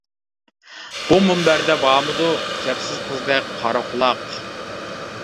بۇ مۇنبەردە بارمىدۇ، كەپسىز قىزدەك قارا قۇلاق.